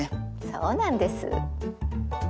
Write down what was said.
そうなんです。